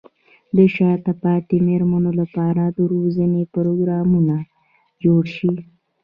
د شاته پاتې مېرمنو لپاره د روزنې پروګرامونه جوړ شي.